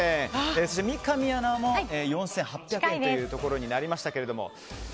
そして三上アナも４８００円というところになりましたけども。